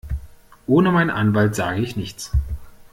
Ohne meinen Anwalt sage ich nichts.